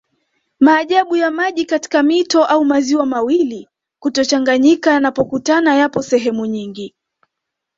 Maajabu ya maji katika mito au maziwa mawili kutochanganyika yanapokutana yapo sehemu nyingi